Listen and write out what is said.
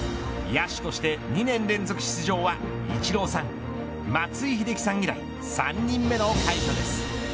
野手として２年連続出場はイチローさん松井秀喜さん以来３人目の快挙です。